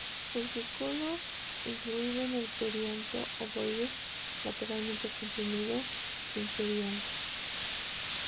Utrículo incluido en el perianto, ovoide, lateralmente comprimido, sin perianto.